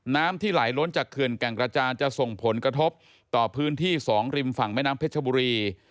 น้ำที่ไหลล้นจากเขื่อนแก่งกระจานจะส่งผลกระทบต่อพื้นที่๒ริมฝั่งแม่น้ำเพชรบุรี